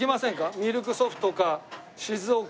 ミルクソフトか静岡。